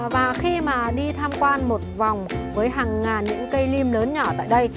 và khi mà đi tham quan một vòng với hàng ngàn những cây lim lớn nhỏ tại đây